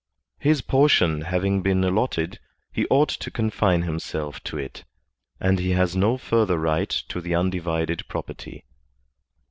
His portion having been allotted, he ought to confine himself to it, and he has no further right to the undivided property.